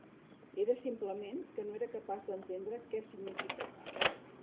Era simplement que no era capaç d'entendre què significava.